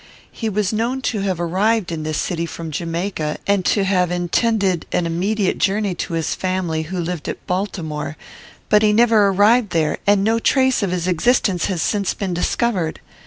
He was known to have arrived in this city from Jamaica, and to have intended an immediate journey to his family, who lived at Baltimore; but he never arrived there, and no trace of his existence has since been discovered.